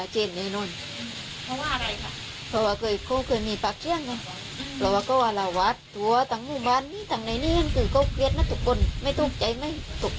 สามสี่เดี๋ยวเดินเล่งคนเดียวก็มี